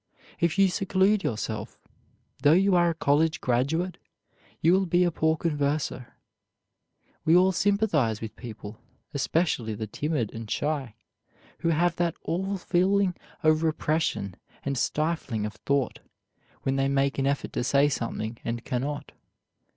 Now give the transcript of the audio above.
If you seclude yourself, though you are a college graduate, you will be a poor converser. We all sympathize with people, especially the timid and shy, who have that awful feeling of repression and stifling of thought, when they make an effort to say something and cannot.